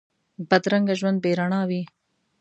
بدرنګه ژوند بې روڼا وي